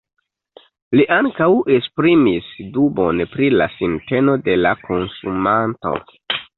Li ankaŭ esprimis dubon pri la sinteno de la konsumanto.